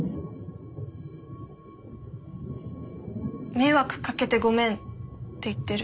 「迷惑かけてごめん」って言ってる。